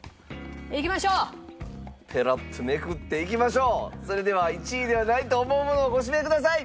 ペラッとめくって「いきましょう！」。それでは１位ではないと思うものをご指名ください。